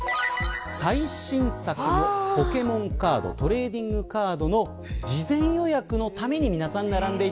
最新作のポケモンカードトレーディングカードの事前予約のために皆さん並んでいた。